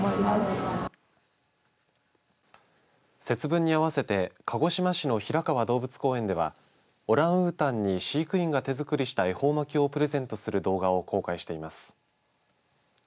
節分にあわせて鹿児島市の平川動物公園ではオランウータンに飼育員が手作りした恵方巻きをプレゼントする動画を公開しています。